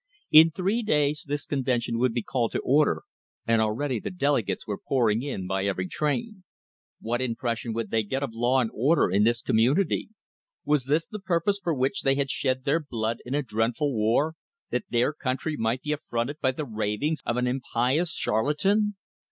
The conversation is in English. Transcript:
In three days this convention would be called to order, and already the delegates were pouring in by every train. What impression would they get of law and order in this community? Was this the purpose for which they had shed their blood in a dreadful war that their country might be affronted by the ravings of an impious charlatan?